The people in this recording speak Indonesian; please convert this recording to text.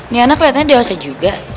niana keliatannya dewasa juga